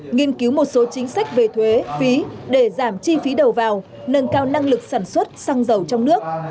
nghiên cứu một số chính sách về thuế phí để giảm chi phí đầu vào nâng cao năng lực sản xuất xăng dầu trong nước